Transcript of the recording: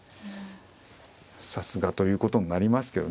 さすがということになりますけどね。